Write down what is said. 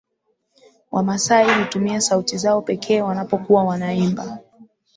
Wamasai hutumia sauti zao pekee wanapokuwa wanaimba